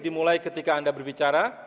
dimulai ketika anda berbicara